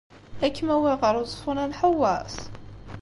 Ad kem-awiɣ ɣer Uẓeffun ad nḥewweṣ?